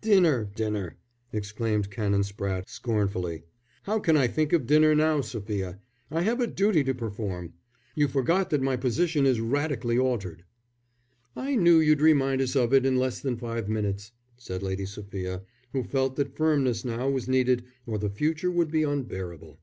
"Dinner, dinner!" exclaimed Canon Spratte, scornfully. "How can I think of dinner now, Sophia? I have a duty to perform. You forgot that my position is radically altered." "I knew you'd remind us of it in less than five minutes," said Lady Sophia, who felt that firmness now was needed or the future would be unbearable.